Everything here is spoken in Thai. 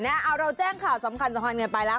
เอาเราแจ้งข่าวสำคัญสำหรับเงินไปแล้ว